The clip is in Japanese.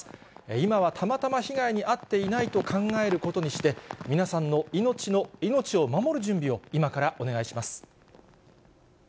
今はたまたま被害に遭っていないと考えることにして、皆さんの命を守る準備を今からお願いします。